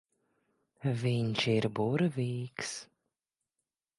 Viņš ir burvīgs.